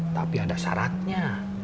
tapi ada syaratnya